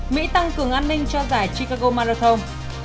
mỹ tăng cường an ninh cho giải chicago marathon